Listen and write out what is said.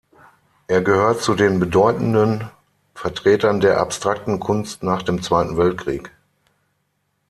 Er gehört zu den bedeutenden Vertretern der Abstrakten Kunst nach dem Zweiten Weltkrieg.